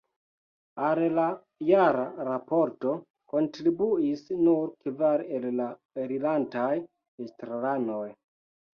Al la jara raporto kontribuis nur kvar el la elirantaj estraranoj.